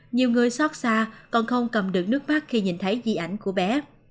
nhiều người xót xa còn không cầm được nước mắt khi nhìn thấy di ảnh của bé